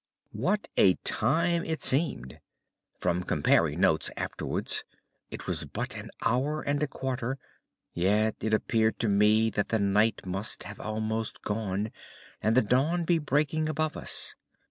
What a time it seemed! From comparing notes afterwards it was but an hour and a quarter, yet it appeared to me that the night must have almost gone, and the dawn be breaking above us.